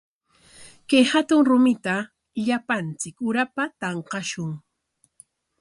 Kay hatun rumita llapanchik urapa tanqashun.